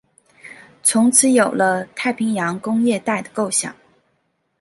从此有了太平洋工业带的构想。